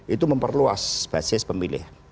itu memperluas basis pemilih